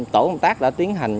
tổ công tác đã tiến hành